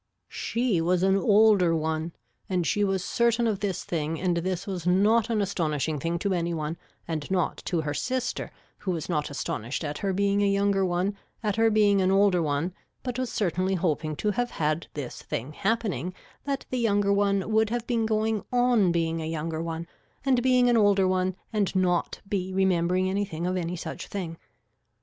She was an older one and she was certain of this thing and this was not an astonishing thing to any one and not to her sister who was not astonished at her being a younger one at her being an older one but was certainly hoping to have had this thing happening that the younger one would have been going on being a younger one and being an older one and not be remembering anything of any such thing.